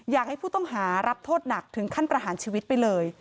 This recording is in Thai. อยากให้ผู้ต้องหารับโทษหนักถึงขั้นประหารชีวิตไปเลย